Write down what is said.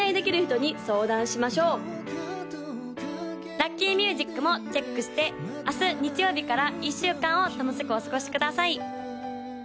・ラッキーミュージックもチェックして明日日曜日から１週間を楽しくお過ごしください